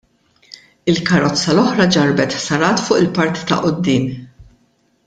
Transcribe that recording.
Il-karozza l-oħra ġarrbet ħsarat fuq il-parti ta' quddiem.